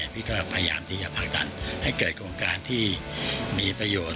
พี่ก็พยายามที่จะผลักดันให้เกิดโครงการที่มีประโยชน์